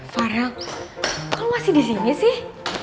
farang kok lo masih disini sih